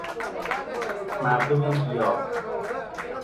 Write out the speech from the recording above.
مردم گیا